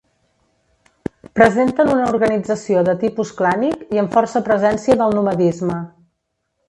Presenten una organització de tipus clànic i amb força presència del nomadisme.